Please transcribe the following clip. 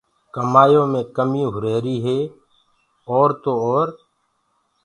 ڪمآيو مي ڪميٚ هُريهريٚ ئي اور تو اور